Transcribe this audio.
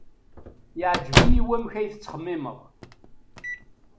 Yeɛjeb-iyi wamek ay tettxemmimed.